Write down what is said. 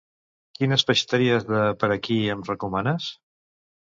Quines peixateries de per aquí em recomanes?